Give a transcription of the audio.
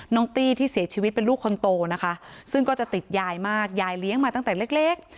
ตี้ที่เสียชีวิตเป็นลูกคนโตนะคะซึ่งก็จะติดยายมากยายเลี้ยงมาตั้งแต่เล็ก